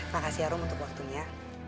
makasih ya rum untuk waktunya